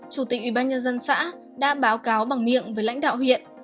chủ tịch ủy ban nhân dân xã đã báo cáo bằng miệng với lãnh đạo huyện